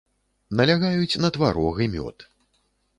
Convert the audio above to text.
Налягаюць на тварог і мёд.